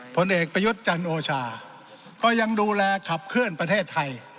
ผลเอกประยุทธ์จันโอชาก็ยังดูแลขับเคลื่อนประเทศไทย